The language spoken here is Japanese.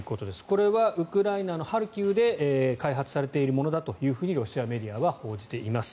これはウクライナのハルキウで開発されているものだとロシアメディアは報じています。